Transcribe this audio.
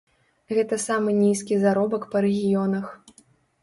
Гэта самы нізкі заробак па рэгіёнах.